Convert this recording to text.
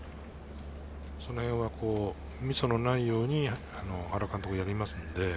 そのへんはミスのないように原監督はやりますんで。